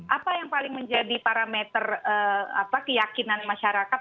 apa yang paling menjadi parameter keyakinan masyarakat